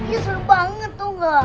iya serem banget tuh kak